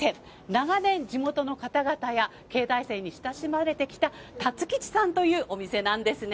長年、地元の方々や慶大生に親しまれてきた、たつ吉さんというお店なんですね。